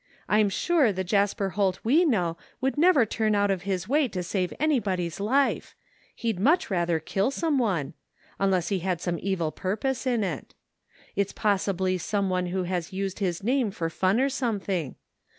I'm sure the Jasper Holt we know would never turn out of his way to save anybody's life — ^he'd much rather kill someone — ^unless he had some evil purpose in it It's possibly someone who has used his name for fun or something.